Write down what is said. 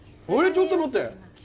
ちょっと待って！